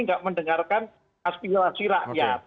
tidak mendengarkan aspirasi rakyat